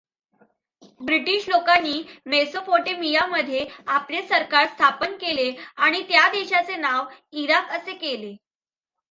British लोकांनी मेसोपोटेमियामध्ये आपले सरकार स्थापन केले आणि त्या देशाचे नाव इराक असे केले.